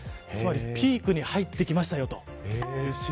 つまりピークに入ってきましたよ